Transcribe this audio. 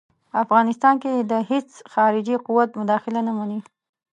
افغانستان کې د هیڅ خارجي قوت مداخله نه مني.